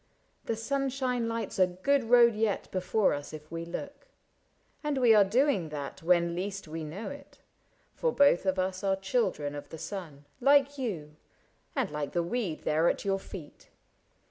The sunshine lights A good road yet before us if we look. And we are doing that when least we know it ; For both of us are children of the sun. Like you, and like the weed there at your feet.